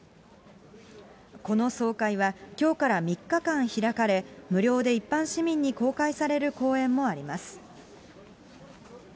この総会はきょうから３日間開かれ、無料で一般市民に公開される講演もあります。